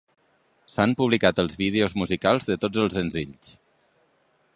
S'han publicat els vídeos musicals de tots els senzills.